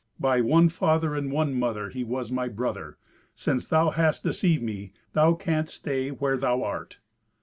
By one father and one mother he was my brother. Since thou hast deceived me, thou canst stay where thou art."